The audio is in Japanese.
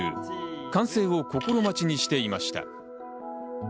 完成を心待ちにしていました。